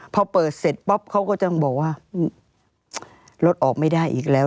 พอเปิดเสร็จปั๊บเขาก็ยังบอกว่ารถออกไม่ได้อีกแล้ว